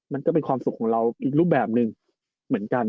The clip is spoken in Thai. มันก็เป็นความสุขของเราอีกรูปแบบหนึ่งเหมือนกัน